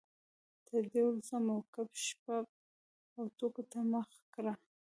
تر دې وروسته مو ګپ شپ او ټوکو ته مخه کړه.